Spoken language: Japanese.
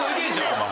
お前。